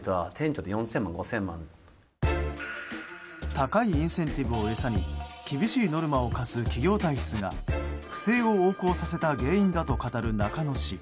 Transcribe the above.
高いインセンティブを餌に厳しいノルマを課す企業体質が不正を横行させた原因だと語る中野氏。